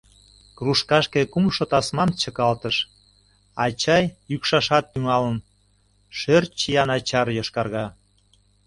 Кружкашке кумшо тасмам чыкалтыш, а чай йӱкшашат тӱҥалын, шӧр чия начар йошкарга.